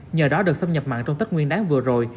nhờ đó đợt xâm nhập mặn trong tất nguyên đáng vừa rồi